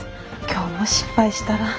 今日も失敗したら。